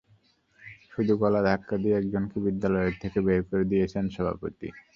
শুধু গলা ধাক্কা দিয়ে একজনকে বিদ্যালয় থেকে বের করে দিয়েছেন সভাপতি।